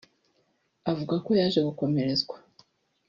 Avuga ko yaje gukomerezwa